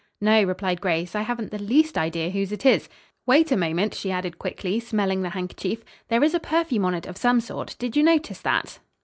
"No," replied Grace, "I haven't the least idea whose it is. Wait a moment," she added quickly, smelling the handkerchief; "there is a perfume on it of some sort. Did you notice that?"